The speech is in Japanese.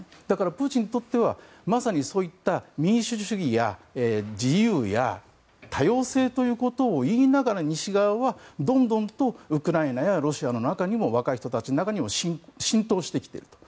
だから、プーチンにとってはまさにそういった民主主義や自由や多様性ということを言いながら西側はどんどんとウクライナやロシアの中にも若い人たちの中にも浸透してきている。